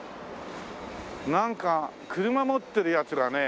なんか車持ってるヤツらね。